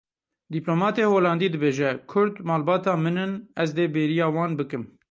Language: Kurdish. Dîplomatê Holandî dibêje; kurd malbata min in; ez dê bêriya wan bikim.